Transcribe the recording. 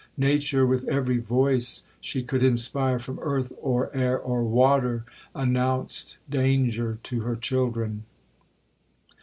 Nature, with every voice she could inspire from earth, or air, or water, announced danger to her children.